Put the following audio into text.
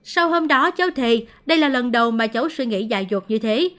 sau hôm đó cháu thề đây là lần đầu mà cháu suy nghĩ dài ruột như thế